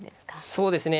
そうですね